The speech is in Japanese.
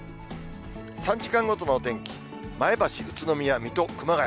３時間ごとの天気、前橋、宇都宮、水戸、熊谷。